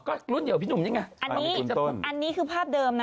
ก็รุ่นเดียวพี่หนุ่มนี่ไงอันนี้อันนี้คือภาพเดิมนะ